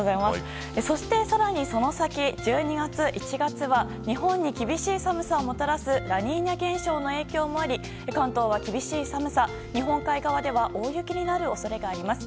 そして、更にその先１２月、１月は日本に厳しい寒さをもたらすラニーニャ現象の影響もあり関東は厳しい寒さ日本海側では大雪になる恐れがあります。